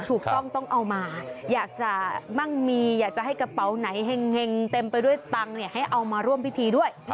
ถูกต้องต้องเอามาอยากจะมั่งมีอยากจะให้กระเป๋าไหนเห็งเต็มไปด้วยตังค์ให้เอามาร่วมพิธีด้วย